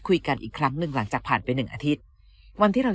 คุยกันอีกครั้งหนึ่งหลังจากผ่านไปหนึ่งอาทิตย์วันที่เรา